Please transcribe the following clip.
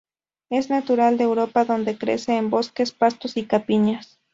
Es natural de Europa donde crece en bosques, pastos y campiñas.